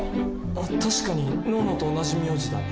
あっ確かにノーノと同じ名字だね。